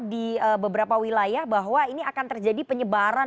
di beberapa wilayah bahwa ini akan terjadi penyebaran